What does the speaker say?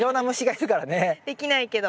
できないけど。